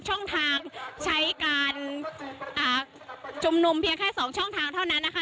ช่องทางใช้การชุมนุมเพียงแค่๒ช่องทางเท่านั้นนะคะ